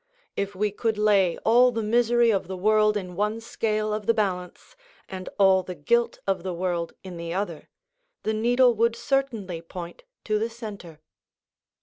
If we could lay all the misery of the world in one scale of the balance, and all the guilt of the world in the other, the needle would certainly point to the centre.